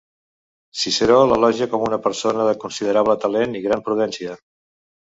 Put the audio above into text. Ciceró l'elogia com a persona de considerable talent i gran prudència.